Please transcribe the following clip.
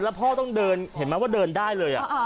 แล้วพ่อต้องเดินเห็นไหมว่าเดินได้เลย